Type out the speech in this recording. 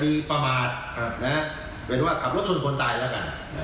คดีประมาทนะครับแปลว่าขับรถชนคนตายแล้วกัน